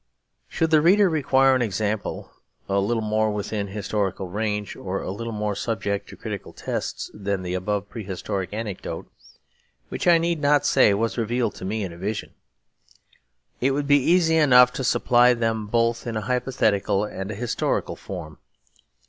Should the reader require an example a little more within historical range, or a little more subject to critical tests, than the above prehistoric anecdote (which I need not say was revealed to me in a vision) it would be easy enough to supply them both in a hypothetical and a historical form.